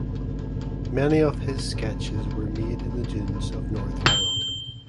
Many of his sketches were made in the dunes of North Holland.